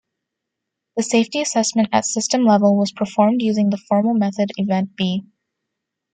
The safety assessment at system level was performed using the formal method Event-B.